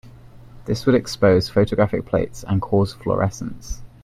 This would expose photographic plates and cause fluorescence.